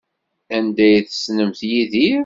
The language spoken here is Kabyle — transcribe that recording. Anda ay tessnemt Yidir?